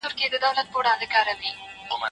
نوم به ژوندی وي.